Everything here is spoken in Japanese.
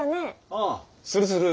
ああするする。